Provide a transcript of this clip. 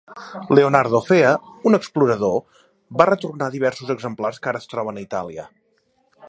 Leonardo Fea, un explorador, va retornar diversos exemplars que ara es troben a Itàlia.